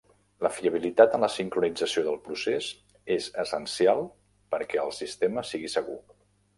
La fiabilitat en la sincronització del procés és essencial perquè el sistema sigui segur.